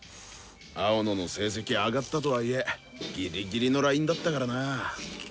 青野の成績上がったとはいえギリギリのラインだったからな。